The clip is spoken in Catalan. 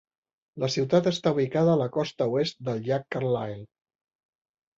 La ciutat està ubicada a la costa oest del Llac Carlyle.